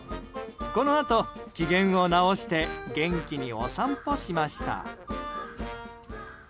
このあと、機嫌を直して元気にお散歩しました。